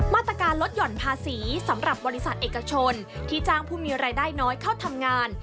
มาตรการลดหย่อนภาษีสำหรับบริษัทเอกชนที่จ้างผู้มีรายได้น้อยเข้าทำงาน